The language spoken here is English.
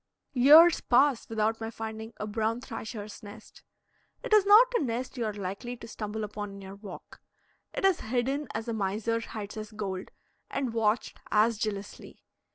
Years pass without my finding a brown thrasher's nest; it is not a nest you are likely to stumble upon in your walk; it is hidden as a miser hides his gold, and watched as jealously.